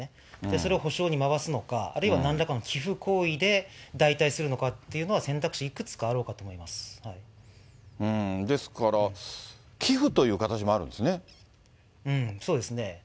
それを補償に回すのか、あるいはなんらか寄付行為で、代替するのかっていうのは選択肢、ですから、そうですね。